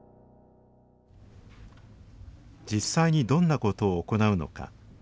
実際にどんなことを行うのか？